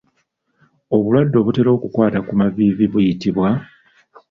Obulwadde obutera okukwata ku maviivi buyitibwa?